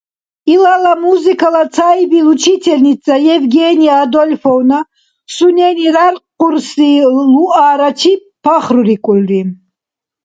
Илала музыкала цаибси учительница Евгения Адольфовна сунени ряркъурси Луарачи пахрубирули.